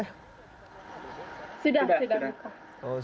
sudah sudah buka